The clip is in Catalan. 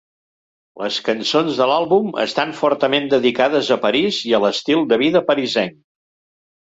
Les cançons de l'àlbum estan fortament dedicades a París i a l'estil de vida parisenc.